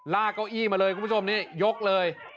ลากะอี้มาเลยคุณผู้ชมยกเลย